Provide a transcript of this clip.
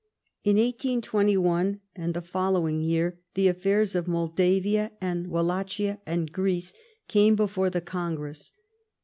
In 1821 and the following year the affairs of Moldavia and Wallachia and Greece came before the Cono ress.